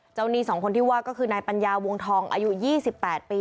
เจ้าหนี้สองคนที่ว่าก็คือนายปัญญาวงทองอายุยี่สิบแปดปี